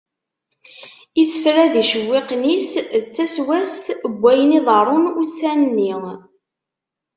Isefra d yicewwiqen-is d ttaswast n wayen iḍeṛṛun ussan nni.